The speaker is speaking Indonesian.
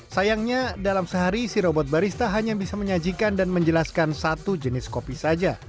sayangnya dalam sehari si robot barista hanya bisa menyajikan dan menjelaskan satu jenis kopi saja